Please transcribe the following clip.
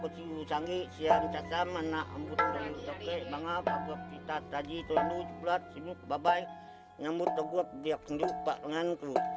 jadi ya akulah kita naruskan